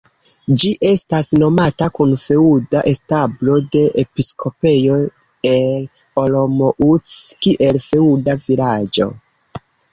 Ĝi estas nomata kun feŭda establo de episkopejo el Olomouc kiel feŭda vilaĝo.